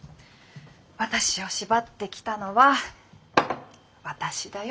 私を縛ってきたのは私だよ。